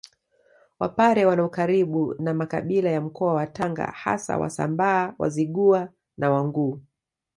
Wapare wana ukaribu na makabila ya Mkoa wa Tanga hasa Wasambaa Wazigua na Wanguu